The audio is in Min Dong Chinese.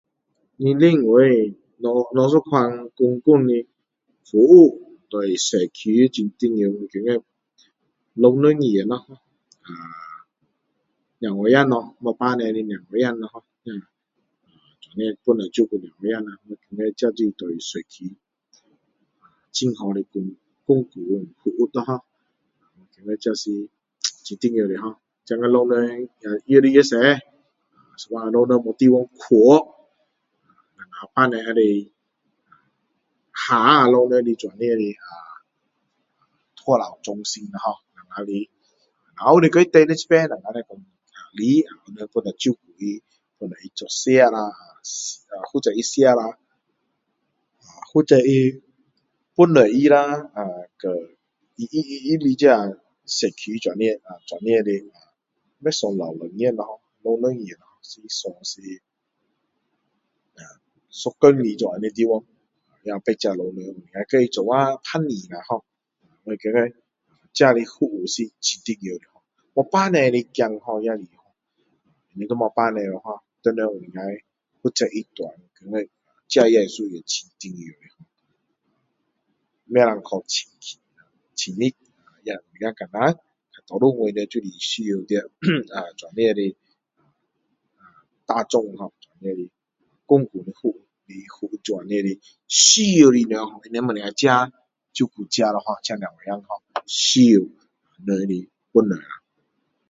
另外哪一种公共的服务对社区很重要我觉得老人院咯小孩子没父母的小孩子这样都是对社区很好的公共服务ho我觉得这是很重要ho现今老人越来越多有时候老人没地方去啊父母可以载老人这样的托老中心ho你把他们丢这边我们等下来你帮忙照顾的可以做吃啦负责他吃啦啊负责他帮助他啦这样社区这样的不算老人院啦ho老人院是算是一天的这样地方那别的老人要跟他一起陪伴一下ho我觉得这样的服务是很重要的没父母的孩子也是你都没有父母了ho谁能够负责他大我觉得这也是一样很重要的不能去亲戚那有点困难比较多我们就需要这样的啊大众ho这样的公共服务这样的需要的人他们不能自己照顾自己ho这小孩子ho有需要人的帮助下